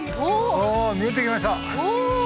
お見えてきました！